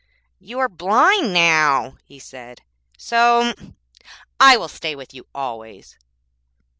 'You are blind now,' he said, 'so I will stay with you always.'